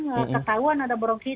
ketahuan ada bronkitis